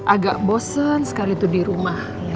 agak bosen sekali itu di rumah